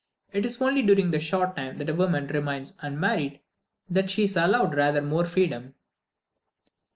It is only during the short time that a woman remains unmarried that she is allowed rather more freedom.